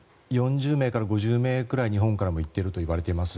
４０名から５０名くらい日本からも行っているといわれています。